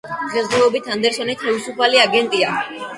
დღესდღეობით ანდერსონი თვისუფალი აგენტია.